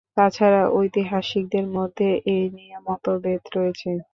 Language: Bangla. তাছাড়া ঐতিহাসিকদের মধ্যেই এ নিয়ে মতভেদ রয়েছে।